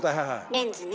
レンズね。